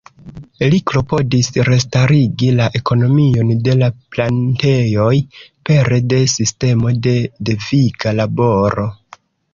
Li klopodis restarigi la ekonomion de la plantejoj pere de sistemo de deviga laboro.